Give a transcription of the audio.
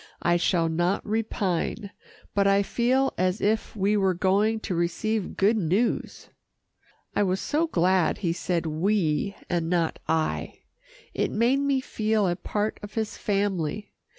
I shall not repine, but I feel as if we were going to receive good news." I was so glad he said "we" and not "I." It made me feel a part of his family.